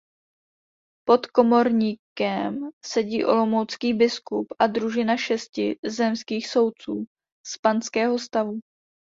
Pod komorníkem sedí olomoucký biskup a družina šesti zemských soudců z panského stavu.